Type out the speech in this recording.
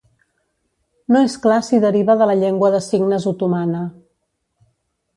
No és clar si deriva de la llengua de signes otomana.